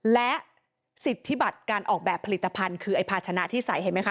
และสิทธิบัตรการออกแบบผลิตภัณฑ์คือไอ้ภาชนะที่ใส่เห็นไหมค